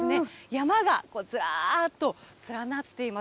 山がずらーっと連なっています。